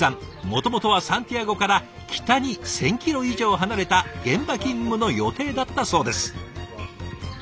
もともとはサンティアゴから北に１，０００キロ以上離れた現場勤務の予定だったそうです。